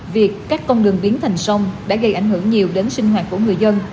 việc các con đường biến thành sông đã gây ảnh hưởng nhiều đến sinh hoạt của người dân